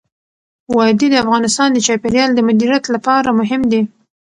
وادي د افغانستان د چاپیریال د مدیریت لپاره مهم دي.